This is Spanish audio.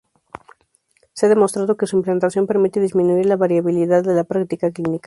Se ha demostrado que su implantación permite disminuir la variabilidad de la práctica clínica.